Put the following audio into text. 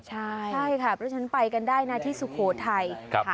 ใช่ครับแล้วฉันไปกันได้ที่สุโขทัย